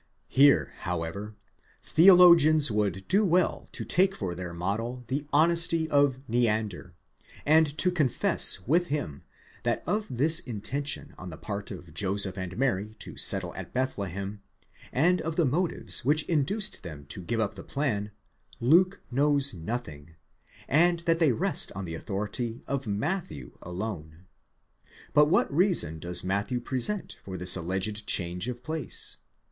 Here, however, theologians would do well to take for their model the honesty of Neander, and to confess with him that of this intention on the part of Joseph and Mary to settle at Bethlehem, and of the motives which induced them to give up the plan, Luke knows nothing, and that they rest on the author ity of Matthew alone. But what reason does Matthew present for this alleged change of place?